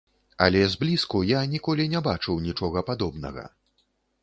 Але зблізку я ніколі не бачыў нічога падобнага.